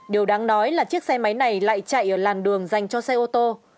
điều đáng nói là chiếc xe máy này lại chạy ở làn đường dành cho xe ô tô